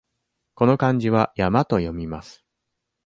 この漢字は「やま」と読みます。